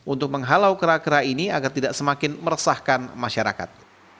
untuk menghalau kera kera ini agar tidak semakin meresahkan masyarakat